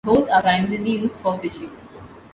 Both are primarily used for fishing.